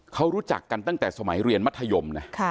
เขารู้จักกันตั้งแต่สมัยเรียนมัธยมนะ